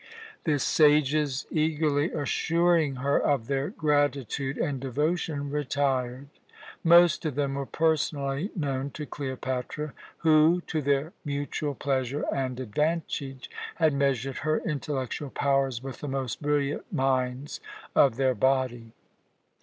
The sages, eagerly assuring her of their gratitude and devotion, retired. Most of them were personally known to Cleopatra who, to their mutual pleasure and advantage, had measured her intellectual powers with the most brilliant minds of their body.